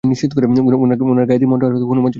উনার গায়েত্রী মন্ত্র আর হনুমান চালিসা মুখস্ত।